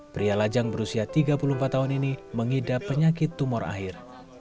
pria lajang berusia tiga puluh empat tahun ini mengidap penyakit tumor akhir